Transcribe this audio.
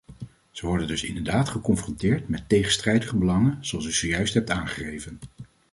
Ze worden dus inderdaad geconfronteerd met tegenstrijdige belangen, zoals u zojuist hebt aangegeven.